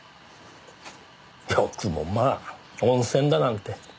よくもまあ温泉だなんて。